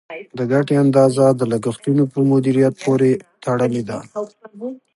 د ګټې اندازه د لګښتونو په مدیریت پورې تړلې ده.